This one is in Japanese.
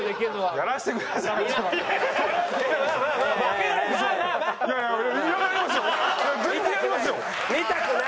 やらせてください。